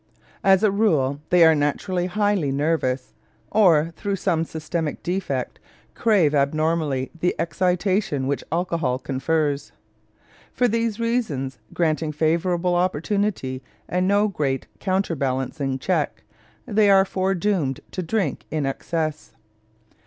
As a rule they are naturally highly nervous, or, through some systemic defect, crave abnormally the excitation which alcohol confers. For these reasons, granting favorable opportunity and no great counterbalancing check, they are foredoomed to drink to excess.